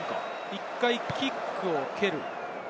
１回キックを蹴る。